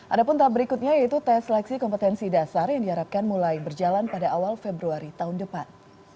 ada pun tahap berikutnya yaitu tes seleksi kompetensi dasar yang diharapkan mulai berjalan pada awal februari tahun depan